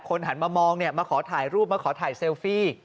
หันมามองมาขอถ่ายรูปมาขอถ่ายเซลฟี่